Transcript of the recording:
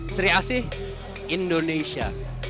sri asi indonesia